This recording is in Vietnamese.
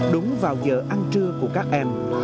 đúng vào giờ ăn trưa của các em